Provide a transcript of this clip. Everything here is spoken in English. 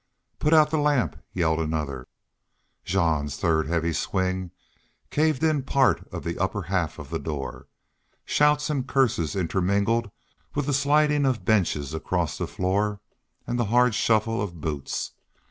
"Put out the lamp!" yelled another. Jean's third heavy swing caved in part of the upper half of the door. Shouts and curses intermingled with the sliding of benches across the floor and the hard shuffle of boots.